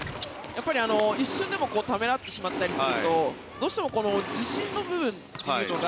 一瞬でもためらってしまったりするとどうしても自信の部分というのが